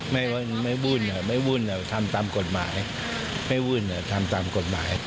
ไม่วุ่นไม่วุ่นทำตามกฎหมาย